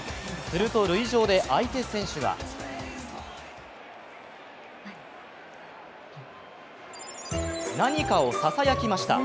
すると塁上で相手選手が何かをささやきました。